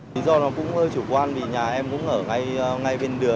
vì do nó cũng hơi chủ quan vì nhà em cũng ở ngay bên đó